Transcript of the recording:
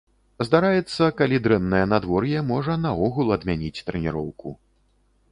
Здараецца, калі дрэннае надвор'е, можа наогул адмяніць трэніроўку.